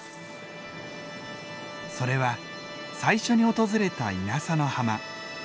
それは最初に訪れた稲佐の浜。